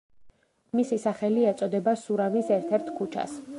მისი სახელი ეწოდება სურამის ერთ-ერთ ქუჩას.